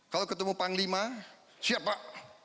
kalau ketemu panglima siap pak